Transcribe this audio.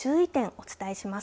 お伝えします。